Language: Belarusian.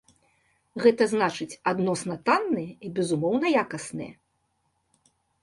Гэта значыць адносна танныя і безумоўна якасныя.